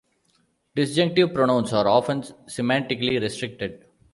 Disjunctive pronouns are often semantically restricted.